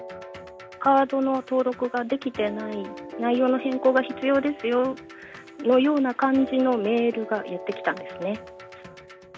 カードの登録ができてない、内容の変更が必要ですよのような感じのメールがやって来たんです